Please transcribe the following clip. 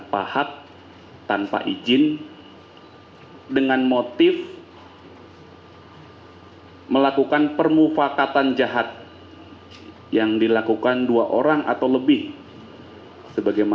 saat itu kami juga mengamankan beberapa puluh butir peluru dari tangan para tersangka